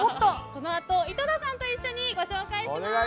このあと、井戸田さんと一緒にご紹介します。